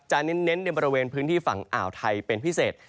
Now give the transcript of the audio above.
เน้นในบริเวณพื้นที่ฝั่งอ่าวไทยเป็นพิเศษ